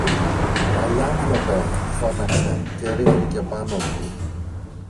Παλιάνθρωπε! φώναξε και ρίχθηκε πάνω του